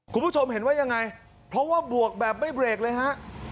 คุณผู้ชมเห็นว่ายังไงเพราะว่าบวกแบบไม่เบรกเลยฮะ